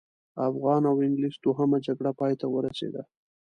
افغان او انګلیس دوهمه جګړه پای ته ورسېده.